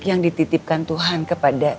yang dititipkan tuhan kepada